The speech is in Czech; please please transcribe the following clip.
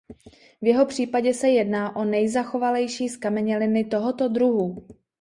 V jeho případě se jedná o nejzachovalejší zkameněliny tohoto druhu.